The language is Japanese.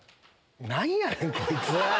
何やねんこいつ！